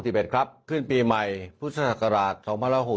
สิบเกิดครับขึ้นปีใหม่พุทธศักราชสองพันห้าร้อยหก